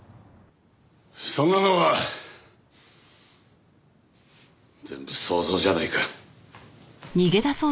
そんなのは全部想像じゃないか。